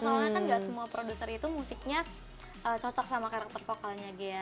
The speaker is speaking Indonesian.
soalnya kan gak semua produser itu musiknya cocok sama karakter vokalnya ghea